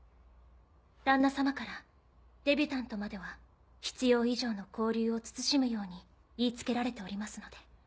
旦那様からデビュタントまでは必要以上の交流を慎むように言い付けられておりますので。